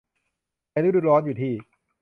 ในฤดูร้อนอยู่ที่